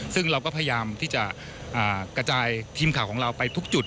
ซึ่งเราก็พยายามที่จะกระจายทีมข่าวของเราไปทุกจุด